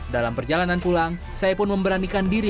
dalam perjalanan pulang saya pun memberanikan diri